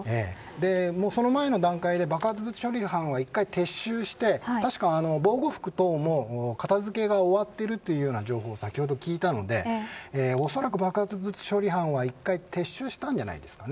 その前の段階で爆発物処理班は１回撤収して確か防護服等も片付けが終わっている情報を先ほど聞いたのでおそらく爆発物処理班は１回撤収したんじゃないですか。